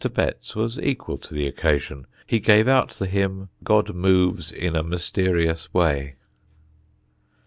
Betts was equal to the occasion: he gave out the hymn "God moves in a mysterious way."